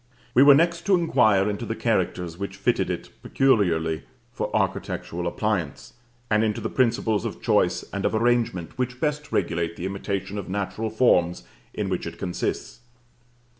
We were next to inquire into the characters which fitted it peculiarly for architectural appliance, and into the principles of choice and of arrangement which best regulate the imitation of natural forms in which it consists.